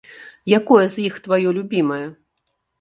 Якое з іх тваё любімае?